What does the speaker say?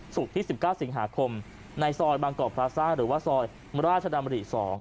ศุกร์ที่๑๙สิงหาคมในซอยบางกอบพลาซ่าหรือว่าซอยมราชดามริสอง